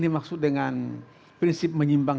dimaksud dengan prinsip menyimbang